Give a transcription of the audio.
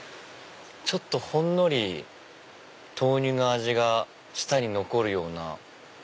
ちょっとほんのり豆乳の味が舌に残るような。